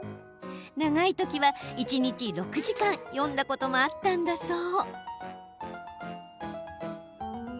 長い時は一日６時間読んだこともあったんだそう。